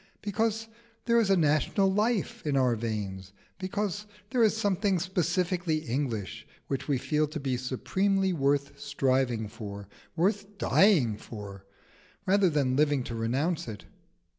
Because there is a national life in our veins. Because there is something specifically English which we feel to be supremely worth striving for, worth dying for, rather than living to renounce it.